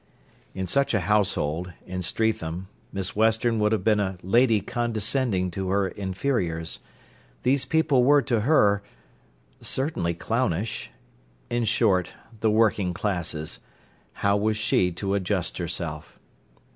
In such a household, in Streatham, Miss Western would have been a lady condescending to her inferiors. These people were to her, certainly clownish—in short, the working classes. How was she to adjust herself?